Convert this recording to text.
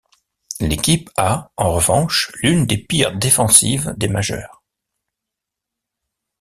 L'équipe a en revanche l'une des pires défensives des majeures.